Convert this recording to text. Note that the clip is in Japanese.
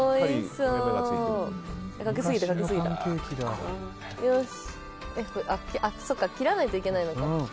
そうか、切らないといけないのか。